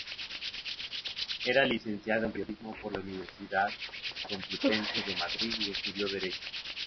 Era licenciado en periodismo por la Universidad Complutense de Madrid y estudió Derecho.